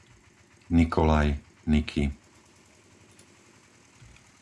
Nikolaj, Niki